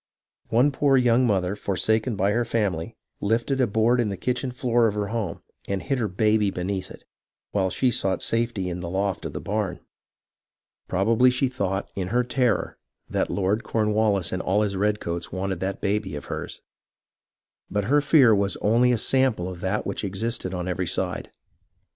One poor young mother forsaken by her family lifted a board in the kitchen floor of her home and hid her baby beneath it, while she sought safety in the loft of the barn. Probably she thought, in her terror, that Lord Cornwallis and all his redcoats wanted that baby of hers. But her fear was only a sample of that which existed on every side.